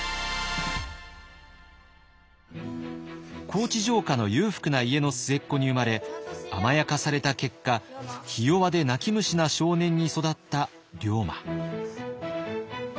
高知城下の裕福な家の末っ子に生まれ甘やかされた結果ひ弱で泣き虫な少年に育った龍馬。